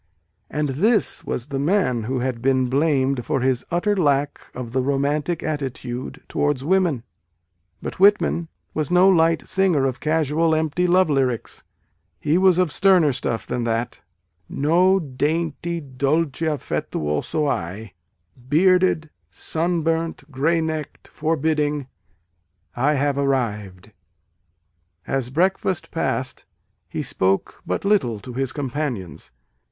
And this was the man who had been blamed for his utter lack of " the romantic attitude towards women !" But Whitman was no light singer of casual empty love lyrics ; he was of sterner stuff than that. No dainty dolce affettuoso I, Bearded, sun burnt, gray neck d, forbidding, I have arrived. As breakfast passed, he spoke but little to his companions.